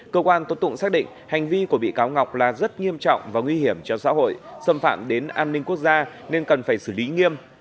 cơ quan tốt tụng xác định hành vi của bị cáo ngọc là rất nghiêm trọng và nguy hiểm cho xã hội xâm phạm đến an ninh quốc gia nên cần phải xử lý nghiêm